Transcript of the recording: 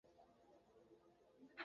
এখন তো স্ট্রিমিং এর যুগ।